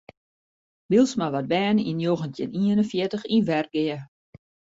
Bylsma waard berne yn njoggentjin ien en fjirtich yn Wergea.